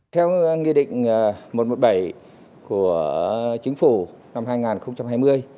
theo nghị định một trăm một mươi bảy của chính phủ năm hai nghìn hai mươi